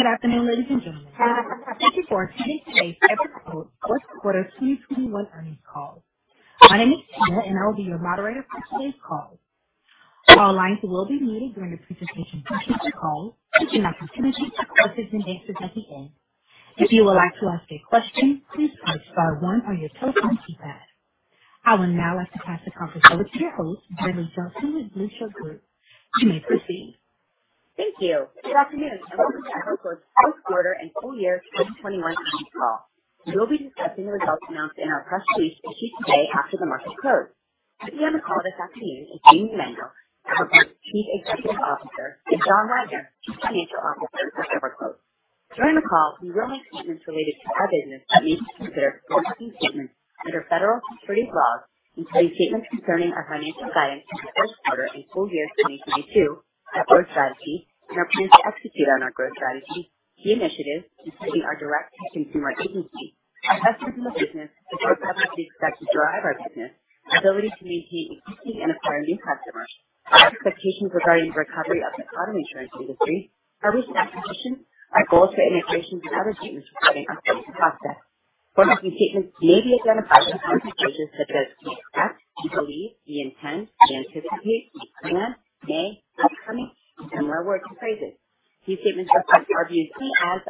Good afternoon, ladies and gentlemen. Thank you for attending today's EverQuote Fourth Quarter 2021 Earnings Call. My name is Tina, and I will be your moderator for today's call. All lines will be muted during the presentation portion of the call. You may continue to press Star one as indicated at the end. If you would like to ask a question, please press star one on your telephone keypad. I would now like to pass the conference over to your host, Brinlea Johnson with the Blueshirt Group. You may proceed. Thank you. Good afternoon, and welcome to EverQuote's fourth quarter and full year 2021 earnings call. We will be discussing the results announced in our press release issued today after the market closed. With me on the call this afternoon is Jayme Mendal, our President, Chief Executive Officer, and John Wagner, Chief Financial Officer of EverQuote. During the call, we will make statements related to our business that may be considered forward-looking statements under federal securities laws, including statements concerning our financial guidance for the first quarter and full year 2022, our growth strategy and our plans to execute on our growth strategy, key initiatives, including our direct-to-consumer agency, investments in the business that we expect to drive our business, ability to maintain existing and acquire new customers, our expectations regarding the recovery of the economy and insurance industry, our recent acquisition, our goals for integration and other statements relating to future prospects. Forward-looking statements may be identified by terms such as we expect, we believe, we intend, we anticipate, we plan, may, will become, and similar words and phrases. These statements reflect our views as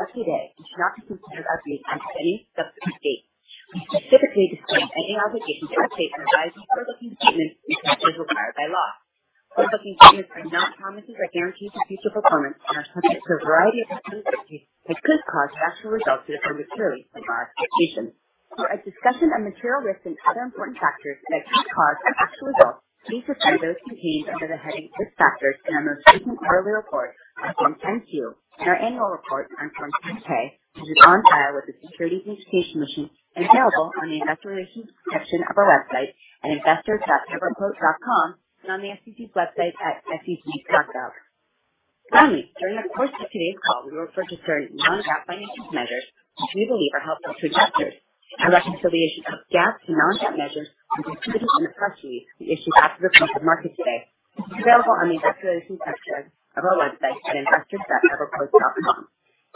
of our website at investors.everquote.com.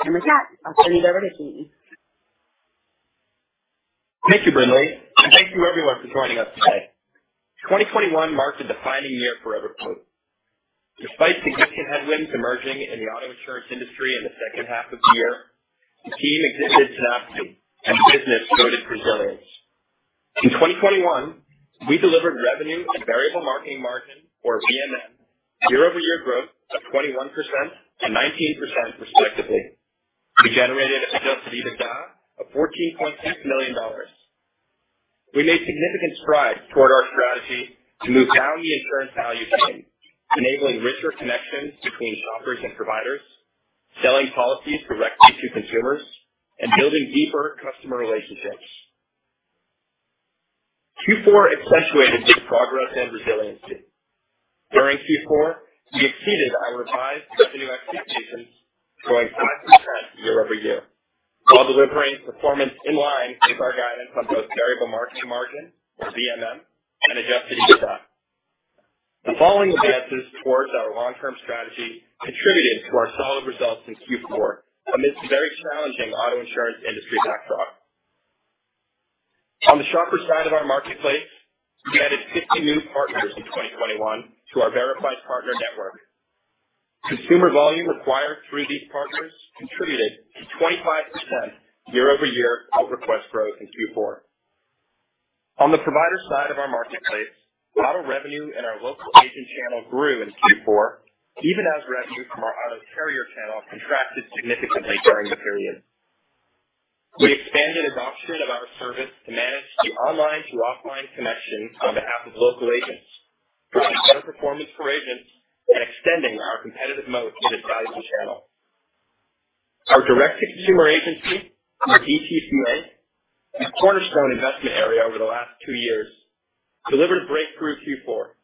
With that, I'll turn it over to Jayme. Thank you, Brinlea. Thank you everyone for joining us today. 2021 marked a defining year for EverQuote. Despite significant headwinds emerging in the auto insurance industry in the second half of the year, the team exhibited tenacity, and the business showed its resilience. In 2021, we delivered revenue and variable marketing margin or VMM year-over-year growth of 21% and 19% respectively. We generated adjusted EBITDA of $14.6 million. We made significant strides toward our strategy to move down the insurance value chain, enabling richer connections between shoppers and providers, selling policies directly to consumers, and building deeper customer relationships. Q4 accentuated this progress and resiliency. During Q4, we exceeded our revised revenue expectations, growing 5% year over year, while delivering performance in line with our guidance on both variable marketing margin or VMM and adjusted EBITDA. The following advances towards our long-term strategy contributed to our solid results in Q4 amidst very challenging auto insurance industry backdrop. On the shopper side of our marketplace, we added 50 new partners in 2021 to our Verified Partner Network. Consumer volume acquired through these partners contributed to 25% year-over-year quote request growth in Q4. On the provider side of our marketplace, auto revenue in our local agent channel grew in Q4, even as revenue from our auto carrier channel contracted significantly during the period. We expanded adoption of our service to manage the online to offline connection on behalf of local agents, driving better performance for agents and extending our competitive moat in this vital channel. Our Direct-To-Consumer Agency or DTCA, a cornerstone investment area over the last two years, delivered breakthrough Q4.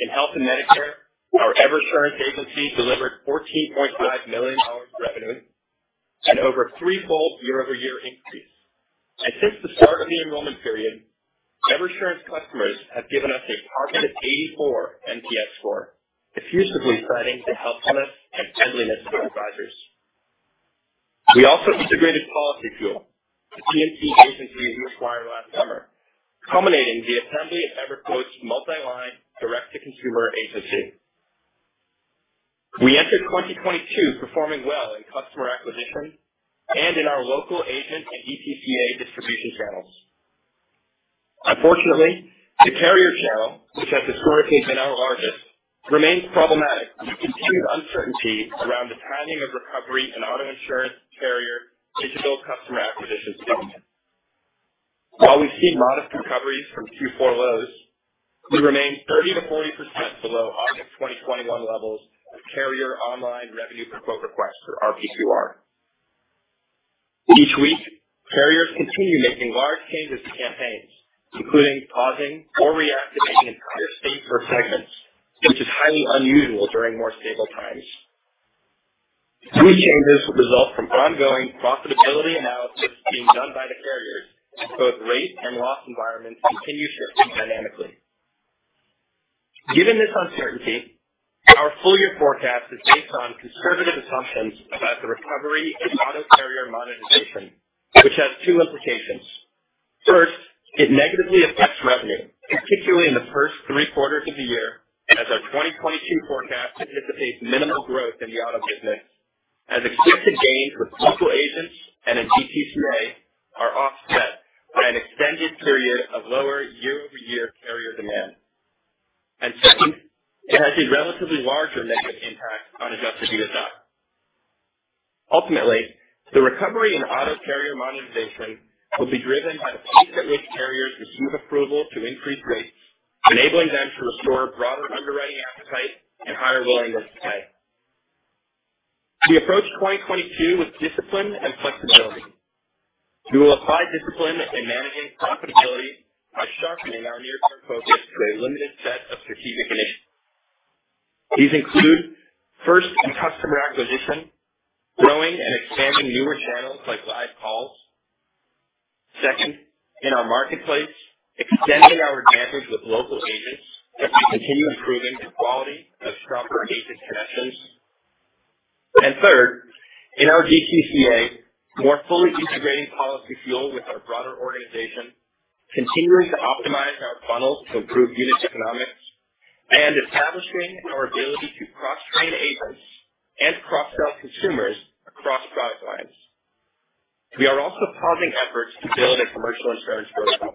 In health and Medicare, our Eversure agency delivered $14.5 million revenue, an over threefold year-over-year increase. Since the start of the enrollment period, Eversure customers have given us a targeted 84 NPS score, effusively citing the helpfulness and friendliness of our advisors. We also integrated PolicyFuel, the P&C agency we acquired last summer, culminating the assembly of EverQuote's multi-line direct-to-consumer agency. We entered 2022 performing well in customer acquisition and in our local agent and DTCA distribution channels. Unfortunately, the carrier channel, which has historically been our largest, remains problematic with continued uncertainty around the timing of recovery in auto insurance carrier digital customer acquisition spending. While we see modest recoveries from Q4 lows, we remain 30%-40% below August 2021 levels of carrier online revenue per quote request or RPQR. Each week, carriers continue making large changes to campaigns, including pausing or reactivating entire states or segments, which is highly unusual during more stable times. These changes result from ongoing profitability analysis being done by the carriers as both rate and loss environments continue shifting dynamically. Given this uncertainty, our full year forecast is based on conservative assumptions about the recovery in auto carrier monetization, which has two implications. First, it negatively affects revenue, particularly in the first three quarters of the year, as our 2022 forecast anticipates minimal growth in the auto business as expected gains with local agents and in DTCA are offset by an extended period of lower year-over-year carrier demand. Second, it has a relatively larger negative impact on adjusted EBITDA. Ultimately, the recovery in auto carrier monetization will be driven by the pace at which carriers receive approval to increase rates, enabling them to restore broader underwriting appetite and higher willingness to pay. We approach 2022 with discipline and flexibility. We will apply discipline in managing profitability by sharpening our near-term focus to a limited set of strategic initiatives. These include, first, in customer acquisition, growing and expanding newer channels like live calls. Second, in our marketplace, extending our advantage with local agents as we continue improving the quality of shopper-agent connections. Third, in our DTCA, more fully integrating PolicyFuel with our broader organization, continuing to optimize our funnel to improve unit economics, and establishing our ability to cross-train agents and cross-sell consumers across product lines. We are also pausing efforts to build a commercial insurance program.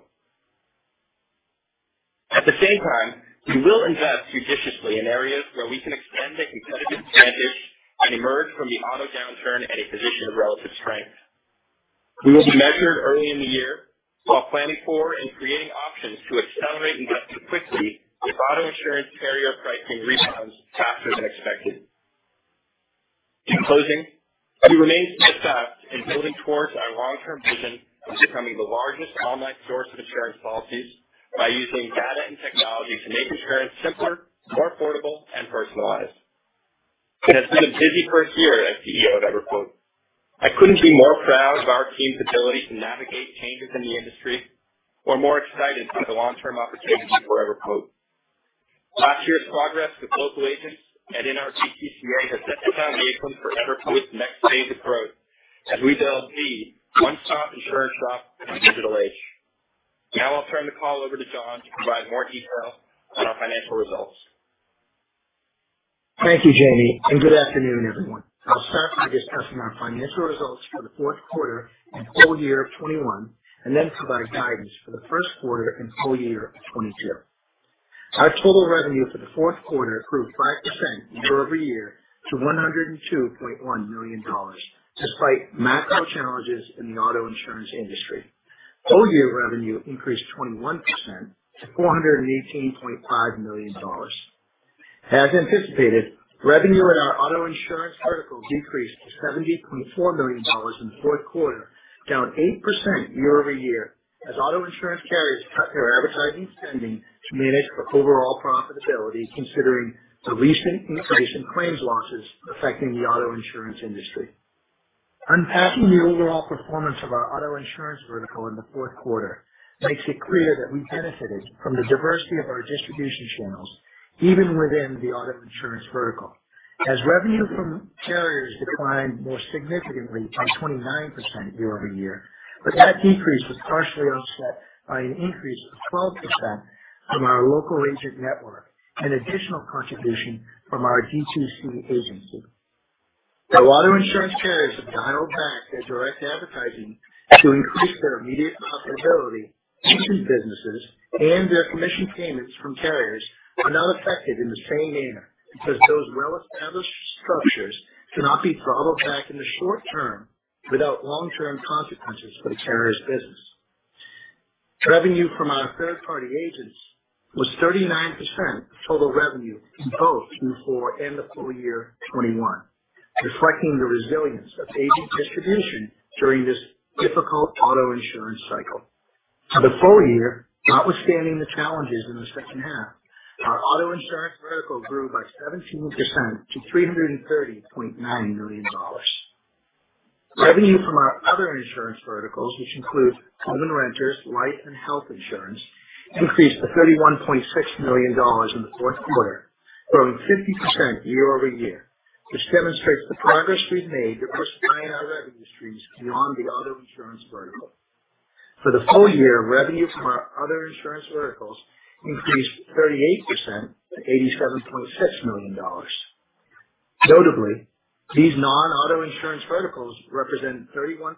At the same time, we will invest judiciously in areas where we can extend a competitive advantage and emerge from the auto downturn at a position of relative strength. We will be measured early in the year while planning for and creating options to accelerate investment quickly if auto insurance carrier pricing rebounds faster than expected. In closing, we remain steadfast in building towards our long-term vision of becoming the largest online source of insurance policies by using data and technology to make insurance simpler, more affordable and personalized. It has been a busy first year as CEO of EverQuote. I couldn't be more proud of our team's ability to navigate changes in the industry or more excited by the long-term opportunities for EverQuote. Last year's progress with local agents and in our DTCA has set the foundation for EverQuote's next phase of growth as we build the one-stop insurance shop in the digital age. Now I'll turn the call over to John to provide more detail on our financial results. Thank you, Jayme, and good afternoon, everyone. I'll start by discussing our financial results for the fourth quarter and full year of 2021, and then provide guidance for the first quarter and full year of 2022. Our total revenue for the fourth quarter grew 5% year-over-year to $102.1 million, despite macro challenges in the auto insurance industry. Full year revenue increased 21% to $418.5 million. As anticipated, revenue in our auto insurance vertical decreased to $70.4 million in the fourth quarter, down 8% year-over-year as auto insurance carriers cut their advertising spending to manage overall profitability, considering the recent increase in claims losses affecting the auto insurance industry. Unpacking the overall performance of our auto insurance vertical in the fourth quarter makes it clear that we benefited from the diversity of our distribution channels, even within the auto insurance vertical. Revenue from carriers declined more significantly by 29% year-over-year, but that decrease was partially offset by an increase of 12% from our local agent network, an additional contribution from our D2C agency. While auto insurance carriers have dialed back their direct advertising to increase their immediate profitability, agent businesses and their commission payments from carriers are not affected in the same manner because those well-established structures cannot be throttled back in the short term without long-term consequences for the carrier's business. Revenue from our third-party agents was 39% of total revenue in both Q4 and the full year 2021, reflecting the resilience of agent distribution during this difficult auto insurance cycle. For the full year, notwithstanding the challenges in the second half, our auto insurance vertical grew by 17% to $330.9 million. Revenue from our other insurance verticals, which include home and renters, life and health insurance, increased to $31.6 million in the fourth quarter, growing 50% year-over-year, which demonstrates the progress we've made to diversify in our revenue streams beyond the auto insurance vertical. For the full year, revenue from our other insurance verticals increased 38% to $87.6 million. Notably, these non-auto insurance verticals represent 31%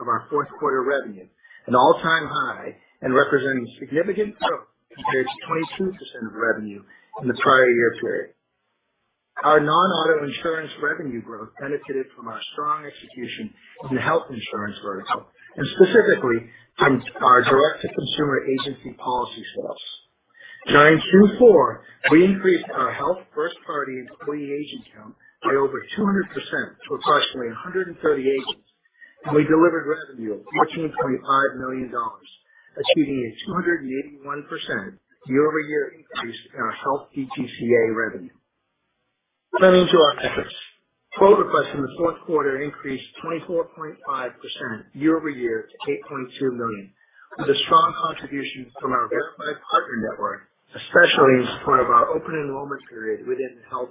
of our fourth quarter revenue, an all-time high, and represent significant growth compared to 22% of revenue in the prior year period. Our non-auto insurance revenue growth benefited from our strong execution in the health insurance vertical and specifically from our direct to consumer agency policy sales. During Q4, we increased our health first party employee agent count by over 200% to approximately 130 agents, and we delivered revenue of $14.5 million, achieving a 281% year-over-year increase in our health DTCA revenue. Turning to our metrics. Quote requests in the fourth quarter increased 24.5% year-over-year to 8.2 million, with a strong contribution from our Verified Partner Network, especially in support of our Open Enrollment Period within the health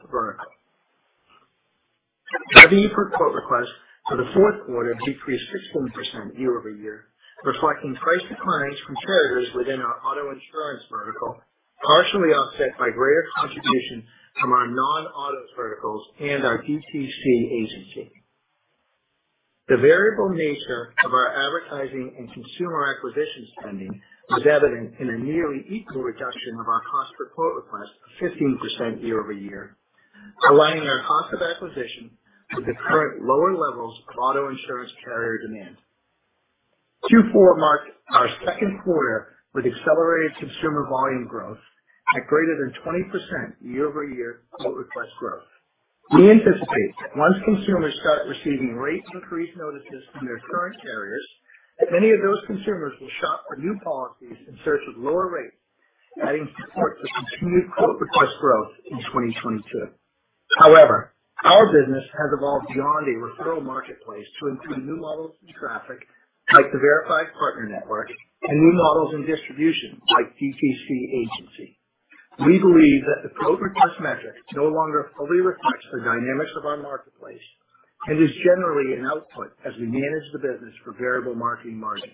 vertical. VPR quote requests for the fourth quarter decreased 16% year-over-year, reflecting price declines from carriers within our auto insurance vertical, partially offset by greater contribution from our non-auto verticals and our DTC agency. The variable nature of our advertising and consumer acquisition spending was evident in a nearly equal reduction of our cost per quote request, 15% year-over-year, aligning our cost of acquisition with the current lower levels of auto insurance carrier demand. Q4 marked our second quarter with accelerated consumer volume growth at greater than 20% year-over-year quote request growth. We anticipate that once consumers start receiving rate increase notices from their current carriers, many of those consumers will shop for new policies in search of lower rates, adding support to continued quote request growth in 2022. However, our business has evolved beyond a referral marketplace to include new models and traffic, like the Verified Partner Network and new models and distribution like DTC agency. We believe that the quote request metric no longer fully reflects the dynamics of our marketplace and is generally an output as we manage the business for variable marketing margin.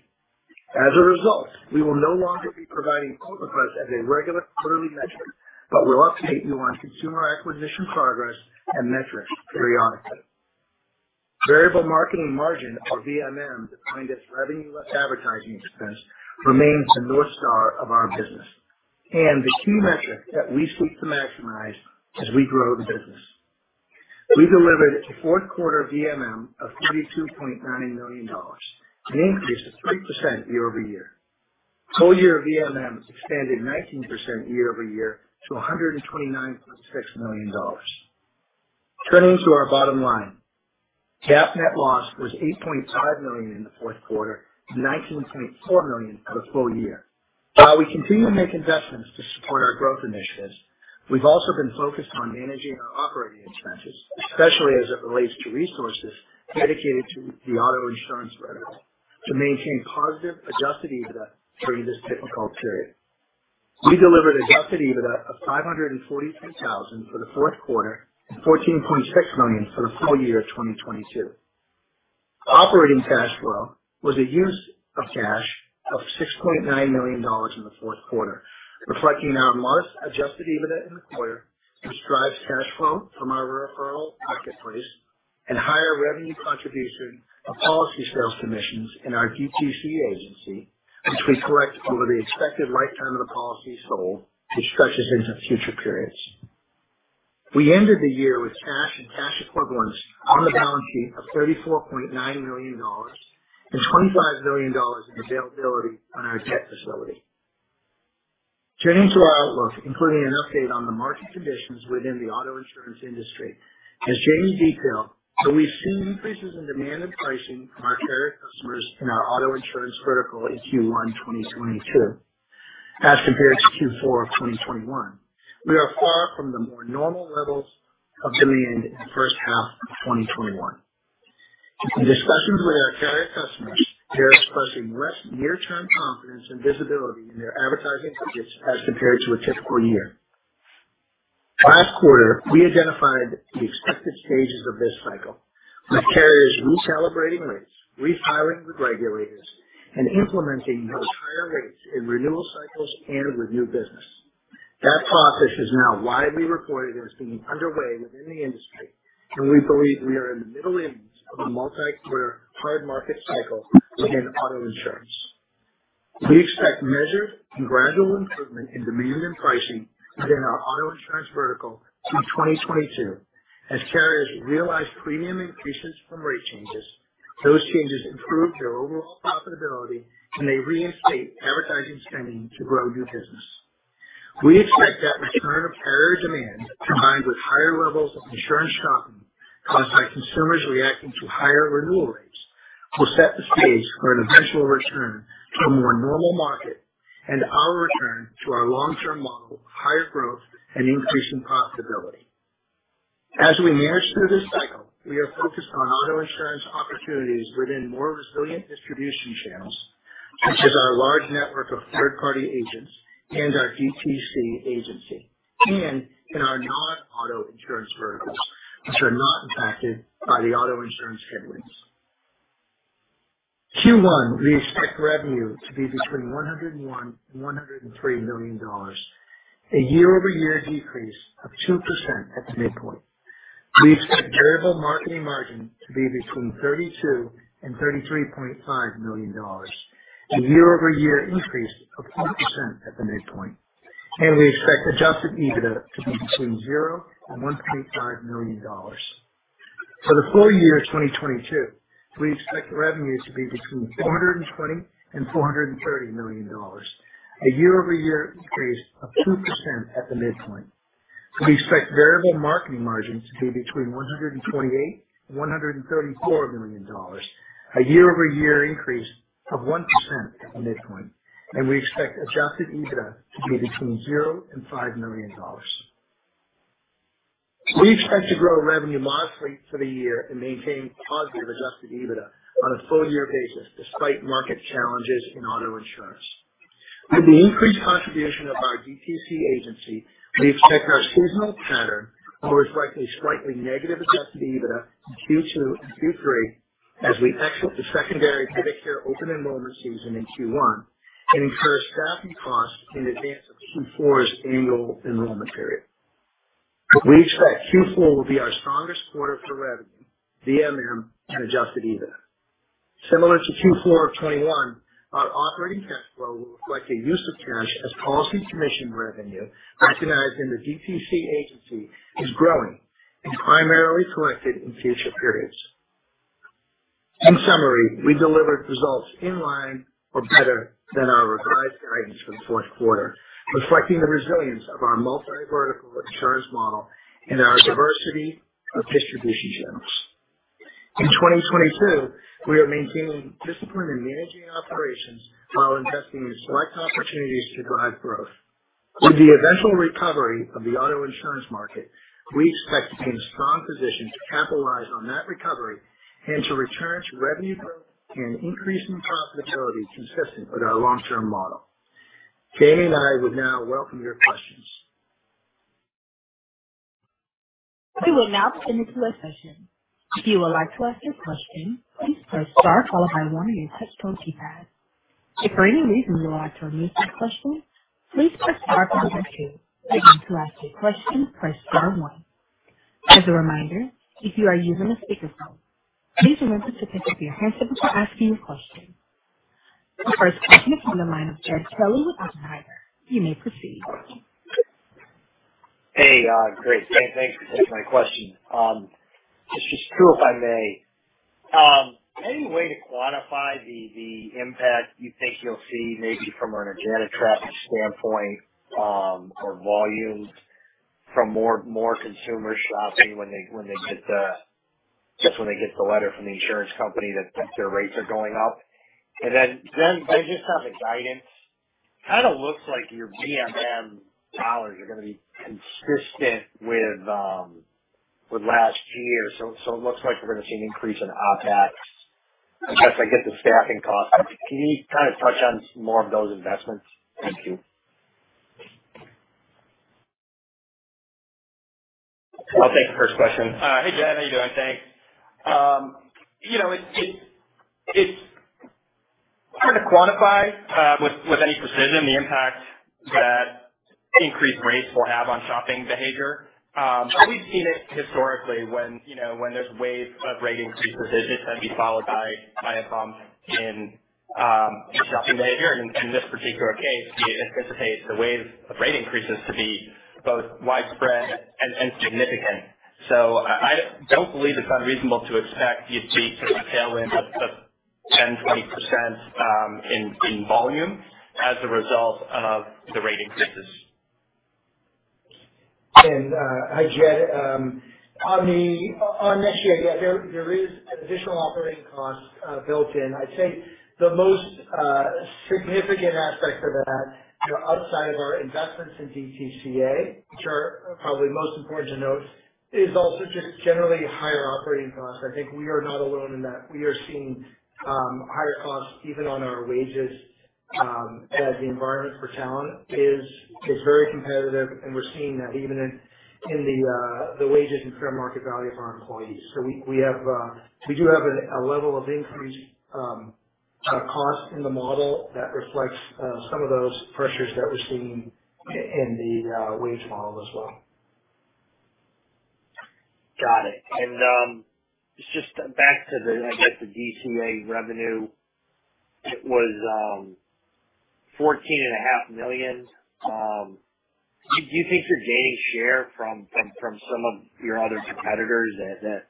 As a result, we will no longer be providing quote requests as a regular quarterly metric, but will update you on consumer acquisition progress and metrics periodically. Variable marketing margin, or VMM, defined as revenue less advertising expense, remains the North Star of our business and the key metric that we seek to maximize as we grow the business. We delivered a fourth quarter VMM of $42.9 million, an increase of 3% year-over-year. Full year VMM expanded 19% year-over-year to $129.6 million. Turning to our bottom line. GAAP net loss was $8.5 million in the fourth quarter to $19.4 million for the full year. While we continue to make investments to support our growth initiatives, we've also been focused on managing our operating expenses, especially as it relates to resources dedicated to the auto insurance vertical to maintain positive adjusted EBITDA during this difficult period. We delivered adjusted EBITDA of $542,000 for the fourth quarter and $14.6 million for the full year of 2022. Operating cash flow was a use of cash of $6.9 million in the fourth quarter, reflecting our modest adjusted EBITDA in the quarter, which drives cash flow from our referral marketplace and higher revenue contribution of policy sales commissions in our DTC agency, which we collect over the expected lifetime of the policy sold, which stretches into future periods. We ended the year with cash and cash equivalents on the balance sheet of $34.9 million and $25 million in availability on our debt facility. Turning to our outlook, including an update on the market conditions within the auto insurance industry. As Jayme detailed, though we've seen increases in demand and pricing from our carrier customers in our auto insurance vertical in Q1 2022 as compared to Q4 of 2021, we are far from the more normal levels of demand in the first half of 2021. In discussions with our carrier customers, they're expressing less near-term confidence and visibility in their advertising budgets as compared to a typical year. Last quarter, we identified the expected stages of this cycle, with carriers recalibrating rates, refiling with regulators, and implementing those higher rates in renewal cycles and review business. That process is now widely reported as being underway within the industry, and we believe we are in the middle innings of a multi-year hard market cycle within auto insurance. We expect measured and gradual improvement in demand and pricing within our auto insurance vertical through 2022 as carriers realize premium increases from rate changes, those changes improve their overall profitability, and they reinstate advertising spending to grow new business. We expect that return of carrier demand, combined with higher levels of insurance shopping caused by consumers reacting to higher renewal rates, will set the stage for an eventual return to a more normal market and our return to our long-term model of higher growth and increasing profitability. As we manage through this cycle, we are focused on auto insurance opportunities within more resilient distribution channels, such as our large network of third-party agents and our DTC agency, and in our non-auto insurance verticals, which are not impacted by the auto insurance headwinds. Q1, we expect revenue to be between $101 million and $103 million, a year-over-year decrease of 2% at the midpoint. We expect variable marketing margin to be between $32 million and $33.5 million, a year-over-year increase of 1% at the midpoint. We expect Adjusted EBITDA to be between $0 and $1.5 million. For the full year 2022, we expect revenue to be between $420 million and $430 million, a year-over-year increase of 2% at the midpoint. We expect variable marketing margin to be between $128 million and $134 million, a year-over-year increase of 1% in this one, we expect adjusted EBITDA to be between $0 and $5 million. We expect to grow revenue modestly for the year and maintain positive adjusted EBITDA on a full year basis despite market challenges in auto insurance. With the increased contribution of our DTC agency, we expect our seasonal pattern to reflect a slightly negative adjusted EBITDA in Q2 and Q3 as we exit the secondary Medicare Open Enrollment season in Q1 and incur staffing costs in advance of Q4 Annual Enrollment Period. We expect Q4 will be our strongest quarter for revenue, VMM and Adjusted EBITDA. Similar to Q4 of 2021, our operating cash flow will reflect a use of cash as policy commission revenue recognized in the DTCA agency is growing and primarily collected in future periods. In summary, we delivered results in line or better than our revised guidance for the fourth quarter, reflecting the resilience of our multi-vertical insurance model and our diversity of distribution channels. In 2022, we are maintaining discipline in managing operations while investing in select opportunities to drive growth. With the eventual recovery of the auto insurance market, we expect to be in a strong position to capitalize on that recovery and to return to revenue growth and increasing profitability consistent with our long-term model. Jayme and I would now welcome your questions. We will now begin the Q&A session. If you would like to ask your question, please press star followed by one on your touchtone keypad. If for any reason you would like to remove your question, please press star followed by two. Again, to ask your question, press star one. As a reminder, if you are using a speakerphone, please remember to pick up your handset before asking a question. Our first question is on the line of Jed Kelly with Oppenheimer. You may proceed. Hey, great. Thanks for taking my question. Just two if I may. Any way to quantify the impact you think you'll see maybe from an organic traffic standpoint, or volumes from more consumer shopping when they get the letter from the insurance company that their rates are going up? Then based just on the guidance, kind of looks like your VMM dollars are going to be consistent with last year. It looks like we're going to see an increase in OpEx. I guess I get the staffing costs. Can you kind of touch on more of those investments? Thank you. I'll take the first question. Hey, Jed, how you doing? Thanks. You know, it's hard to quantify with any precision the impact that increased rates will have on shopping behavior. But we've seen it historically when, you know, when there's waves of rate increase decisions that'd be followed by a bump in shopping behavior. In this particular case, we anticipate the wave of rate increases to be both widespread and significant. I don't believe it's unreasonable to expect you to see some tailwind of 10%-20% in volume as a result of the rate increases. Hi Jed. On next year, yeah, there is an additional operating cost built in. I'd say the most significant aspect of that, you know, outside of our investments in DTCA, which are probably most important to note, is also just generally higher operating costs. I think we are not alone in that. We are seeing higher costs even on our wages as the environment for talent is very competitive, and we're seeing that even in the wages and fair market value of our employees. We have a level of increased cost in the model that reflects some of those pressures that we're seeing in the wage model as well. Got it. Just back to the DTCA revenue, it was $14.5 million. Do you think you're gaining share from some of your other competitors that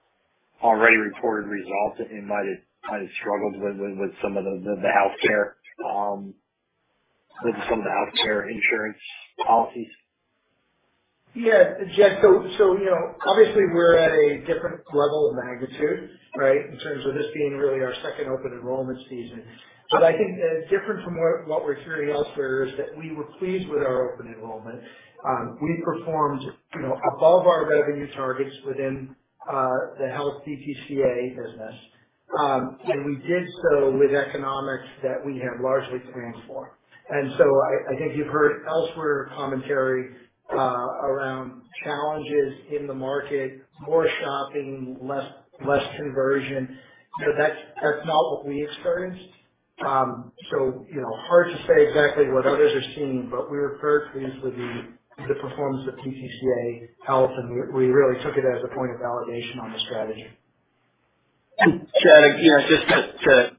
already reported results and might have struggled with some of the healthcare insurance policies? Yeah. Jed, you know, obviously we're at a different level of magnitude, right? In terms of this being really our second open enrollment season. I think different from what we're hearing elsewhere is that we were pleased with our open enrollment. We performed, you know, above our revenue targets within the health DTCA business. We did so with economics that we have largely planned for. I think you've heard elsewhere commentary around challenges in the market, more shopping, less conversion. That's not what we experienced. You know, hard to say exactly what others are seeing, but we were very pleased with the performance of DTCA health, and we really took it as a point of validation on the strategy. Jed, again, just to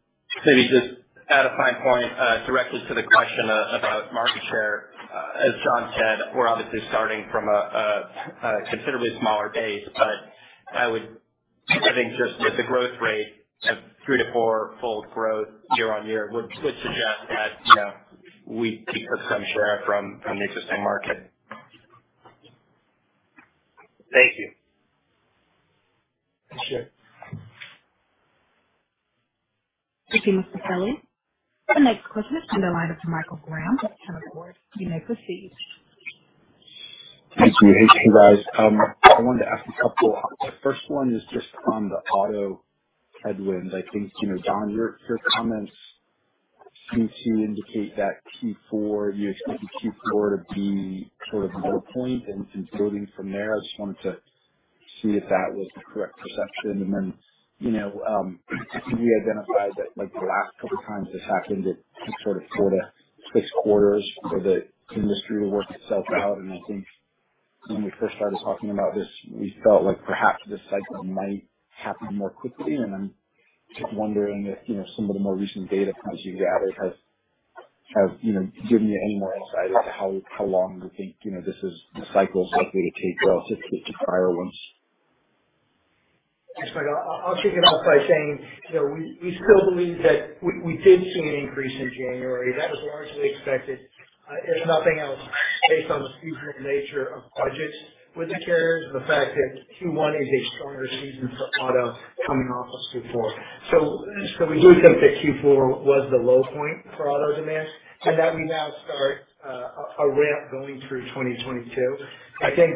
maybe just add a fine point, directly to the question about market share. As John said, we're obviously starting from a considerably smaller base, but I would think just with the growth rate of three- to fourfold growth year-on-year would suggest that, you know, we took some share from the existing market. Appreciate it. Thank you, Mr. Kelly. Our next question on the line is from Michael Graham with Canaccord Genuity. You may proceed. Thank you. Hey, guys. I wanted to ask a couple. First one is just on the auto headwinds. I think, you know, John, your comments seem to indicate that Q4, you expect Q4 to be sort of a low point and some building from there. I just wanted to see if that was the correct perception. You know, can you identify that like the last couple times this happened, it took sort of six quarters for the industry to work itself out. I think when we first started talking about this, we felt like perhaps this cycle might happen more quickly. I'm just wondering if, you know, some of the more recent data points you've gathered have, you know, given you any more insight as to how long you think, you know, this cycle is likely to take relative to prior ones. Yes, Michael. I'll kick it off by saying, you know, we still believe that we did see an increase in January that was largely expected. If nothing else, based on the seasonal nature of budgets with the carriers and the fact that Q1 is a stronger season for auto coming off of Q4. We do think that Q4 was the low point for auto demand and that we now start a ramp going through 2022. I think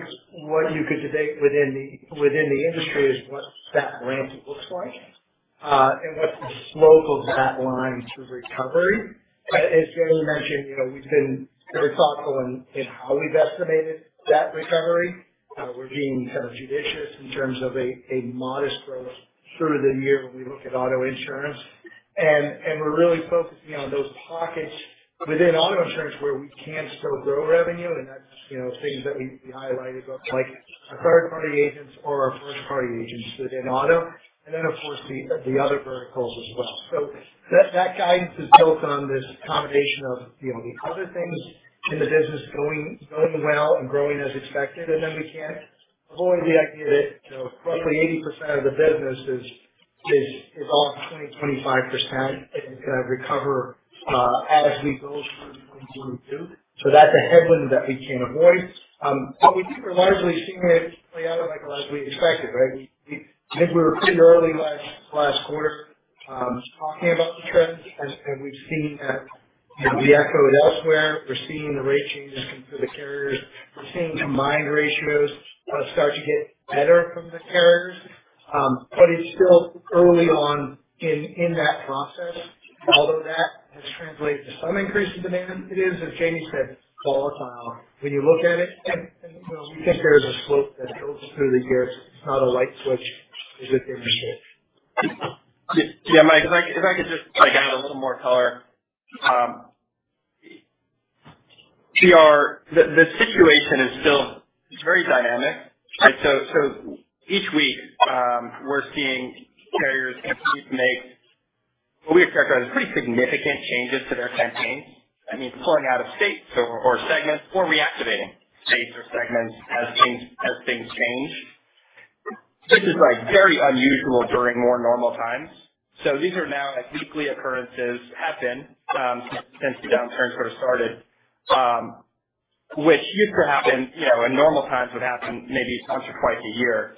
what you could debate within the industry is what that ramp looks like and what the slope of that line to recovery. As Jayme mentioned, you know, we've been very thoughtful in how we've estimated that recovery. We're being kind of judicious in terms of a modest growth through the year when we look at auto insurance. We're really focusing on those pockets within auto insurance where we can still grow revenue. That's, you know, things that we highlighted like our third party agents or our first party agents within auto and then of course the other verticals as well. That guidance is built on this combination of, you know, the other things in the business going well and growing as expected. Then we can't avoid the idea that, you know, roughly 80% of the business is off 25% and kind of recover as we go through 2022. That's a headwind that we can't avoid. But we think we're largely seeing it play out like as we expected, right? I think we were pretty early last quarter talking about the trends. We've seen that, you know, be echoed elsewhere. We're seeing the rate changes for the carriers. We're seeing combined ratios start to get better from the carriers. It's still early on in that process, although that has translated to some increase in demand. It is, as Jayme said, volatile when you look at it. You know, we think there's a slope that goes through the year. It's not a light switch as it's been in the past. Yeah, Michael, if I could just add a little more color. P&C, the situation is still very dynamic, right? Each week, we're seeing carriers and fleets make what we expect are pretty significant changes to their campaigns. That means pulling out of states or segments or reactivating states or segments as things change. This is like very unusual during more normal times. These are now like weekly occurrences have been since the downturn first started, which used to happen, you know, in normal times would happen maybe once or twice a year.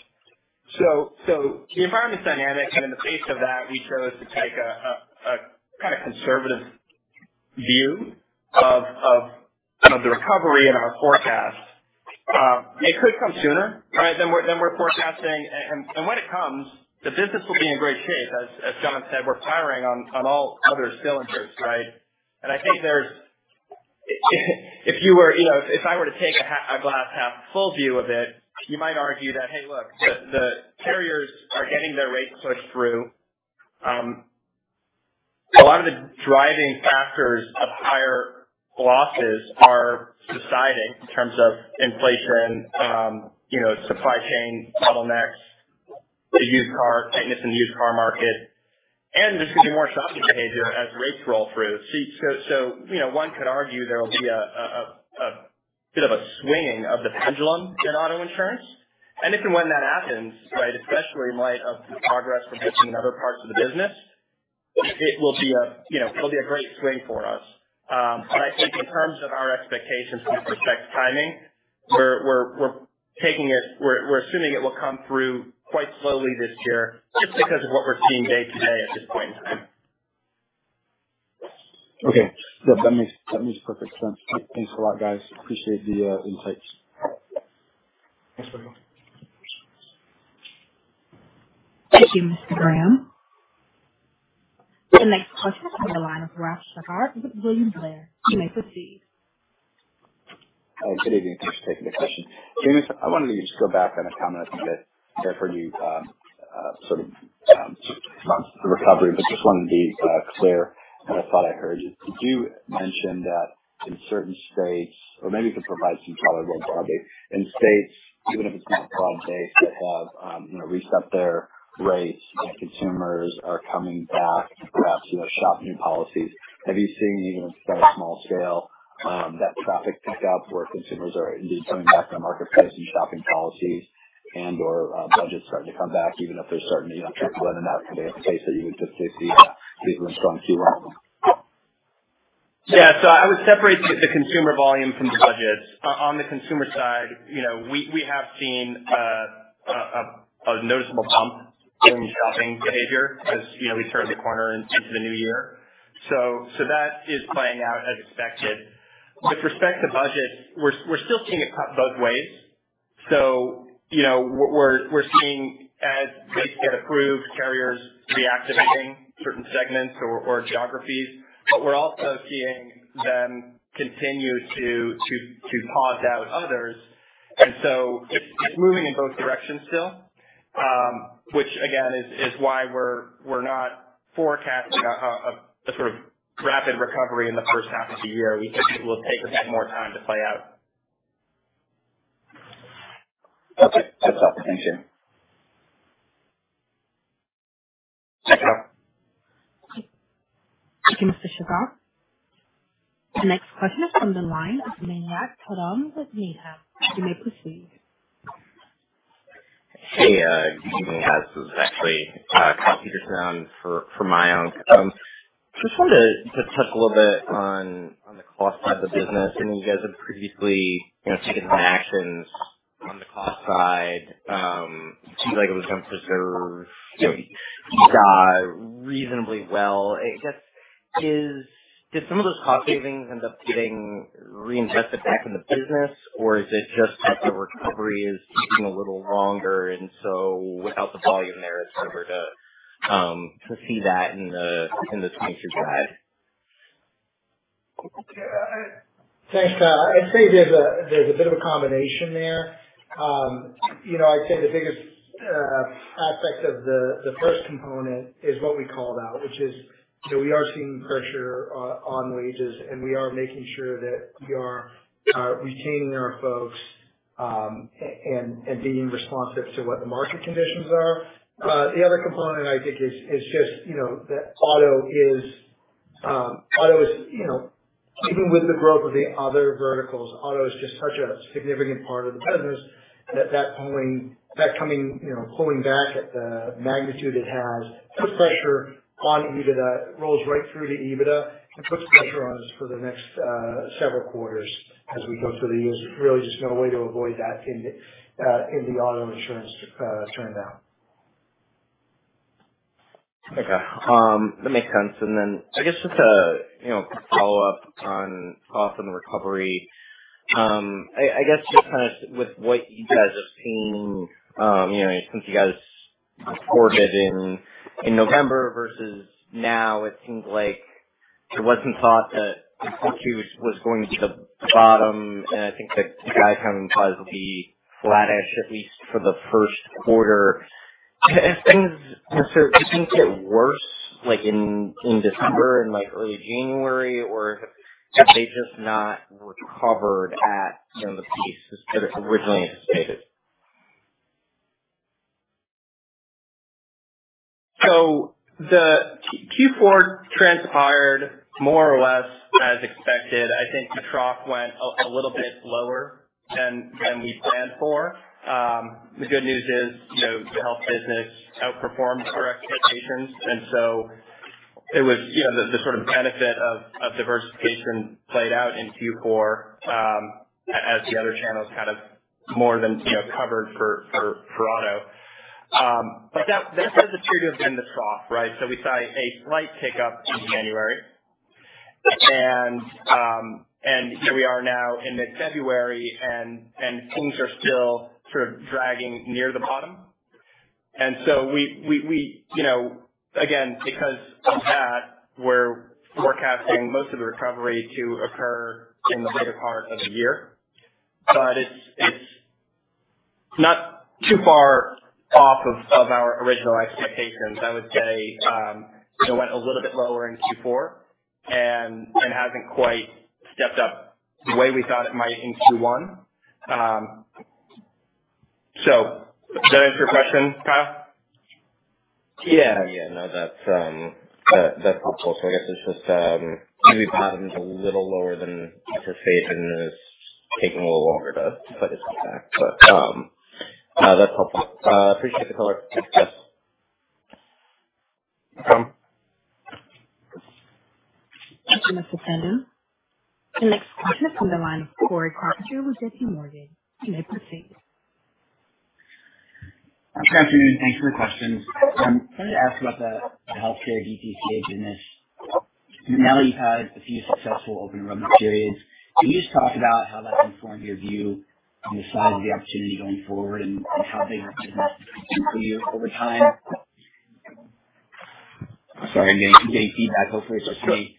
The environment's dynamic, and in the face of that we chose to take a kind of conservative view of the recovery in our forecast. It could come sooner, right, than we're forecasting. when it comes, the business will be in great shape. As John said, we're firing on all other cylinders, right? I think if you were, you know, if I were to take a glass half full view of it, you might argue that, hey, look, the carriers are getting their rates pushed through. A lot of the driving factors of higher losses are subsiding in terms of inflation, you know, supply chain bottlenecks, the used car tightness in the used car market, and there's going to be more shopping behavior as rates roll through. you know, one could argue there will be a bit of a swinging of the pendulum in auto insurance. If and when that happens, right, especially in light of the progress we're seeing in other parts of the business, it will be a, you know, it'll be a great swing for us. I think in terms of our expectations with respect to timing, we're assuming it will come through quite slowly this year just because of what we're seeing day to day at this point in time. Okay. Yep, that makes perfect sense. Thanks a lot, guys. I appreciate the insights. Thanks, Michael. Thank you, Mr. Graham. The next question on the line is from Ralph Schackart with William Blair. You may proceed. Good evening. Thanks for taking the question. Jayme, I wanted to just go back on a comment I think that I heard you sort of touch on the recovery, but just wanted to be clear on a thought I heard you. Did you mention that in certain states or maybe you could provide some color more broadly. In states, even if it's not problem states that have you know reset their rates and consumers are coming back perhaps to shop new policies. Have you seen even on a small scale that traffic pick up where consumers are indeed coming back to the marketplace and shopping policies and/or budgets starting to come back, even if they're starting to you know trickle in and out? Do they have a pace that you would just say see what's going to happen? Yeah. I would separate the consumer volume from the budgets. On the consumer side, you know, we have seen a noticeable bump in shopping behavior as, you know, we turn the corner into the new year. That is playing out as expected. With respect to budget, we're still seeing it cut both ways. You know, we're seeing as rates get approved, carriers reactivating certain segments or geographies, but we're also seeing them continue to pause out others. It's moving in both directions still. Which again is why we're not forecasting a sort of rapid recovery in the first half of the year. We think it will take a bit more time to play out. Okay. That's all. Thank you. Thank you. Thank you, Mr. Schackart. The next question is from the line of Mayank Tandon with Needham. You may proceed. Hey, good evening. This is actually Kyle Peterson for Mayank. Just wanted to just touch a little bit on the cost side of the business. I know you guys have previously, you know, taken some actions on the cost side. Seems like it was done to preserve, you know, reasonably well. I guess did some of those cost savings end up getting reinvested back in the business, or is it just that the recovery is taking a little longer and so without the volume there, it's harder to see that in the financial guide? Yeah. Thanks, Kyle. I'd say there's a bit of a combination there. You know, I'd say the biggest aspect of the first component is what we called out, which is, you know, we are seeing pressure on wages, and we are making sure that we are retaining our folks and being responsive to what the market conditions are. The other component I think is just, you know, that auto is, you know, even with the growth of the other verticals, auto is just such a significant part of the business that pulling back at the magnitude it has puts pressure on EBITDA. It rolls right through to EBITDA and puts pressure on us for the next several quarters as we go through the year. There's really just no way to avoid that in the auto insurance downturn. Okay. That makes sense. I guess just a you know follow-up on cost and recovery. I guess just kind of with what you guys have seen you know since you guys reported in November versus now, it seems like there wasn't thought that Q4 was going to be the bottom, and I think the guide coming across will be flattish, at least for the first quarter. Have things sort of gotten worse, like, in December and early January, or have they just not recovered at you know the pace that was originally anticipated? The Q4 transpired more or less as expected. I think the trough went a little bit lower than we planned for. The good news is, you know, the health business outperformed our expectations, and it was, you know, the sort of benefit of diversification played out in Q4, as the other channels kind of more than, you know, covered for auto. That said, the trigger's been the trough, right? We saw a slight pickup in January. Here we are now in mid-February and things are still sort of dragging near the bottom. You know, again, because of that, we're forecasting most of the recovery to occur in the later part of the year. It's not too far off of our original expectations. I would say, it went a little bit lower in Q4 and hasn't quite stepped up the way we thought it might in Q1. Does that answer your question, Kyle? Yeah. Yeah. No, that's helpful. I guess it's just maybe bottom's a little lower than anticipated, and it's taking a little longer to fight its way back. That's helpful. Appreciate the color. Thanks, guys. Um. Thank you, Mr. Peterson. The next question is from the line of Cory Carpenter with J.P. Morgan. You may proceed. Good afternoon. Thanks for the questions. Wanted to ask about the healthcare DTCA business. Now that you've had a few successful Open Enrollment Periods, can you just talk about how that's informed your view on the size of the opportunity going forward and how big of a business it could be for you over time? Sorry, I'm getting feedback. Hopefully it's just me.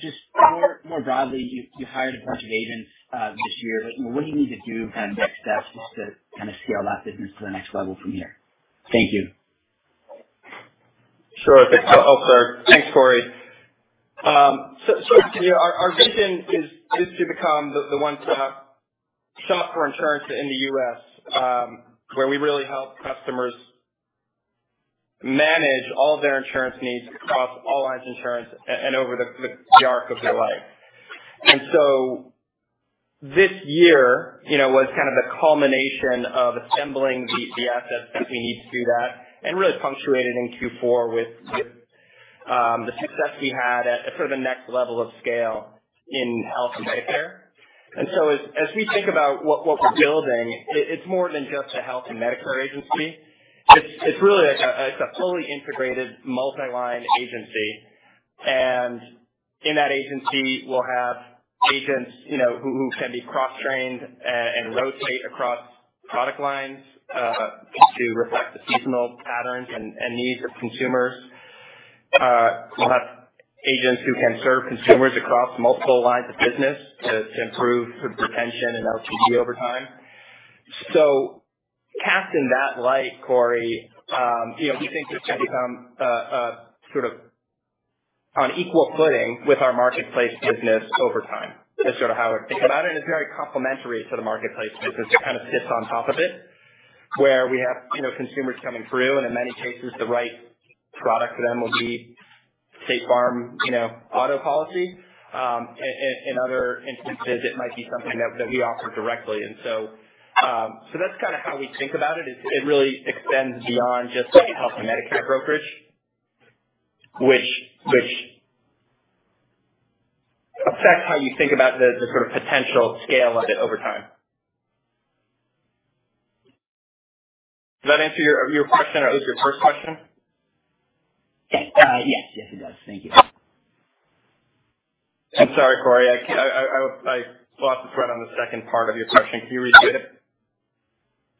Just more broadly, you hired a bunch of agents this year. Like what do you need to do kind of next steps just to kind of scale that business to the next level from here? Thank you. Sure. Thanks, Corey. You know, our vision is to become the one-stop shop for insurance in the U.S., where we really help customers manage all their insurance needs across all lines of insurance and over the arc of their life. This year, you know, was kind of the culmination of assembling the assets that we need to do that and really punctuated in Q4 with the success we had at sort of the next level of scale in health and Medicare. As we think about what we're building, it's more than just a health and Medicare agency. It's really a fully integrated multi-line agency. In that agency, we'll have agents, you know, who can be cross-trained and rotate across product lines to reflect the seasonal patterns and needs of consumers. We'll have agents who can serve consumers across multiple lines of business to improve sort of retention and LTV over time. Cast in that light, Corey, you know, we think this can become a sort of on equal footing with our marketplace business over time is sort of how we're thinking about it. It's very complementary to the marketplace business. It kind of sits on top of it, where we have, you know, consumers coming through, and in many cases, the right product for them will be State Farm, you know, auto policy. In other instances, it might be something that we offer directly. That's kind of how we think about it. It really extends beyond just the health and Medicare brokerage, which affects how you think about the sort of potential scale of it over time. Does that answer your question? That was your first question. Yes. Yes, it does. Thank you. I'm sorry, Corey. I lost the thread on the second part of your question. Can you repeat it?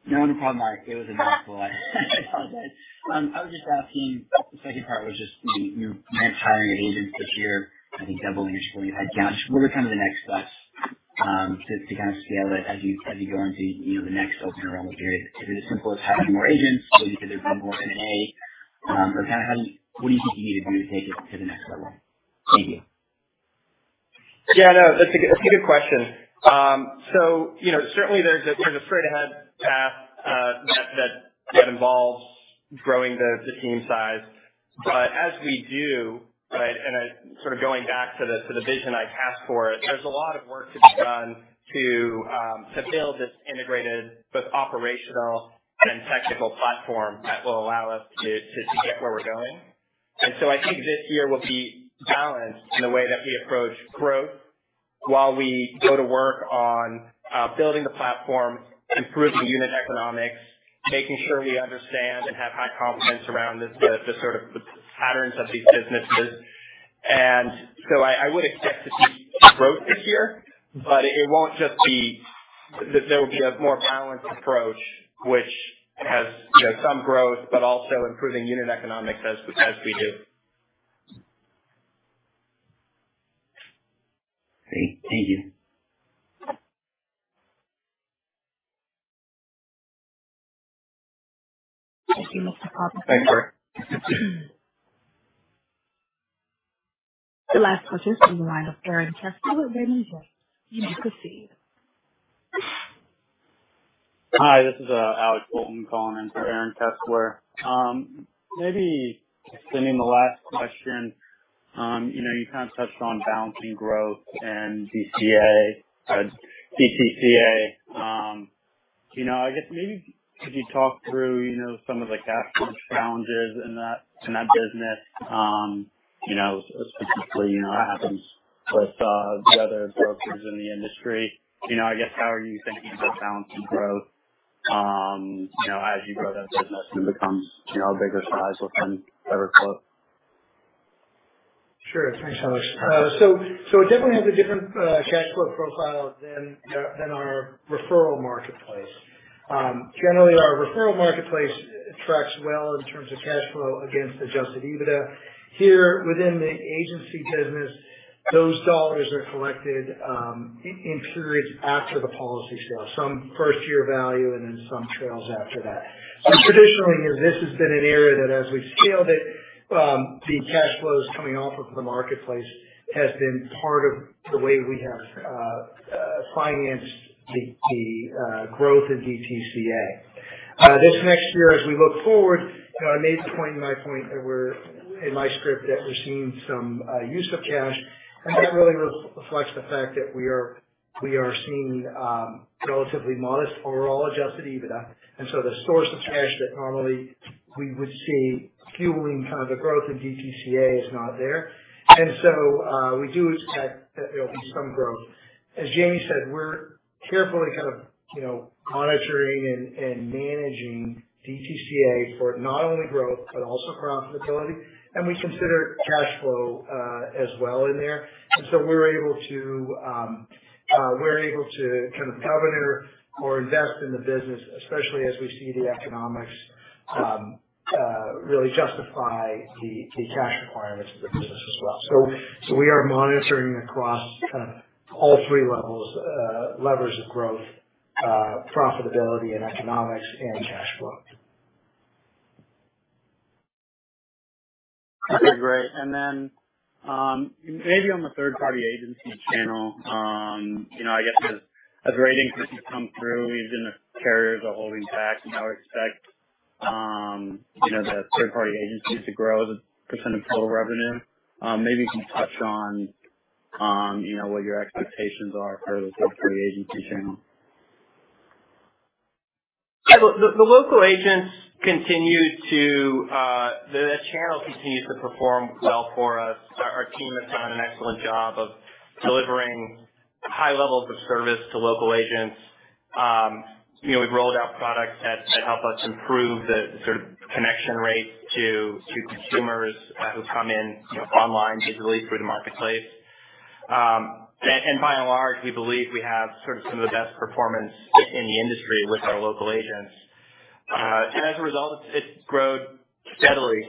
No, no problem, Mark. It was inaudible. I apologize. I was just asking, the second part was just you mentioned hiring agents this year. I think doubling your 45 count. What are kind of the next steps, to kind of scale it as you go into, you know, the next Open Enrollment Period? Is it as simple as having more agents? Is it because there's more M&A? Or kind of what do you think you need to do to take it to the next level? Thank you. Yeah, no, that's a good question. So, you know, certainly there's a straight ahead path that involves growing the team size. As we do, right, and I sort of going back to the vision I cast for it, there's a lot of work to be done to build this integrated both operational and technical platform that will allow us to get where we're going. I think this year will be balanced in the way that we approach growth while we go to work on building the platform, improving unit economics, making sure we understand and have high confidence around the sort of the patterns of these businesses. I would expect to see growth this year, but it won't just be that there will be a more balanced approach which has, you know, some growth but also improving unit economics as we do. Thank you. Thank you. Thank you. Next call. Thanks, Cory. The last question is from the line of Aaron Kessler. You may proceed. Hi, this is Alex Bolton calling in for Aaron Kessler. Maybe extending the last question. You know, you kind of touched on balancing growth and DTCA. You know, I guess maybe could you talk through some of the cash flow challenges in that business? You know, specifically, what happens with the other brokers in the industry? You know, I guess how are you thinking about balancing growth as you grow that business and it becomes a bigger size within EverQuote? Sure. Thanks, Alex. So it definitely has a different cash flow profile than our referral marketplace. Generally, our referral marketplace tracks well in terms of cash flow against Adjusted EBITDA. Here within the agency business, those dollars are collected in periods after the policy sale, some first year value and then some trails after that. Traditionally, this has been an area that as we've scaled it, the cash flows coming off of the marketplace has been part of the way we have financed the growth in DTCA. This next year as we look forward, you know, I made the point in my script that we're seeing some use of cash, and that really reflects the fact that we are seeing relatively modest overall Adjusted EBITDA. The source of cash that normally we would see fueling kind of the growth in DTCA is not there. We do expect that there'll be some growth. As Jamie said, we're carefully kind of, you know, monitoring and managing DTCA for not only growth but also profitability. We consider cash flow as well in there. We're able to kind of governor or invest in the business, especially as we see the economics really justify the cash requirements of the business as well. We are monitoring across all three levels, levers of growth, profitability and economics and cash flow. Okay, great. Maybe on the third-party agency channel, you know, I guess as rate increases come through even if carriers are holding back and now expect, you know, the third-party agencies to grow as a percent of total revenue. Maybe you can touch on, you know, what your expectations are for the third-party agency channel. Yeah. The local agents continue to. The channel continues to perform well for us. Our team has done an excellent job of delivering high levels of service to local agents. You know, we've rolled out products that help us improve the sort of connection rates to consumers who come in, you know, online usually through the marketplace. By and large, we believe we have sort of some of the best performance in the industry with our local agents. As a result, it's grown steadily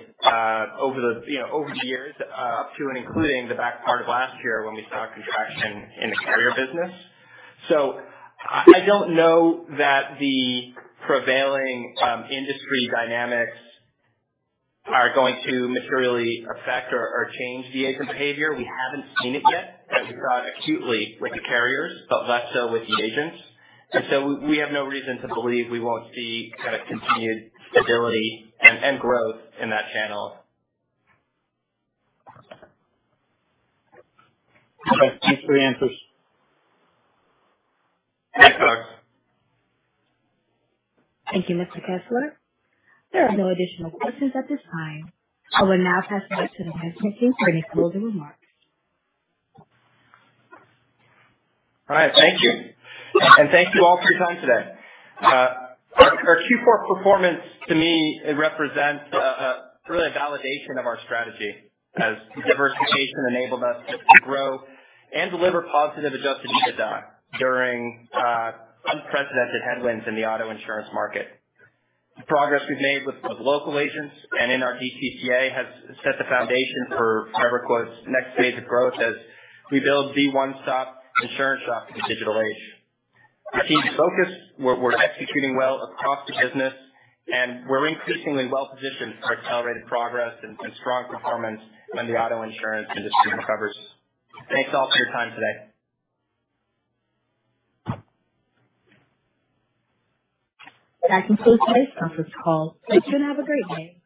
over the years, you know, to and including the back part of last year when we saw contraction in the carrier business. I don't know that the prevailing industry dynamics are going to materially affect or change the agent behavior. We haven't seen it yet as we saw it acutely with the carriers, but less so with the agents. We have no reason to believe we won't see kind of continued stability and growth in that channel. Okay. Thanks for the answers. Thanks, Alex. Thank you, Mr. Kessler. There are no additional questions at this time. I will now pass it back to the management team for any closing remarks. All right. Thank you. Thank you all for your time today. Our Q4 performance to me, it represents really a validation of our strategy as diversification enabled us to grow and deliver positive Adjusted EBITDA during unprecedented headwinds in the auto insurance market. The progress we've made with local agents and in our DTCA has set the foundation for EverQuote's next phase of growth as we build the one-stop insurance shop for the digital age. Our team is focused. We're executing well across the business, and we're increasingly well-positioned for accelerated progress and strong performance when the auto insurance industry recovers. Thanks, all, for your time today. That concludes today's conference call. Thank you, and have a great day.